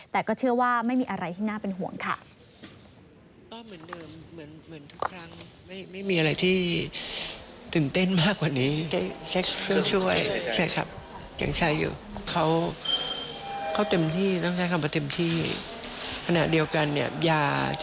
แต่ก็เชื่อว่าไม่มีอะไรที่น่าเป็นห่วงค่ะ